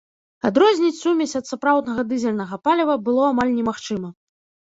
Адрозніць сумесь ад сапраўднага дызельнага паліва было амаль немагчыма.